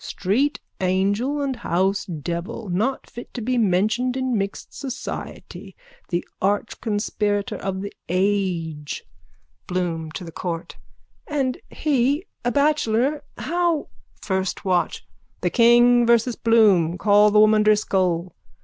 Street angel and house devil. Not fit to be mentioned in mixed society! The archconspirator of the age! BLOOM: (To the court.) And he, a bachelor, how... FIRST WATCH: The King versus Bloom. Call the woman Driscoll.